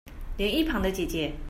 連一旁的姊姊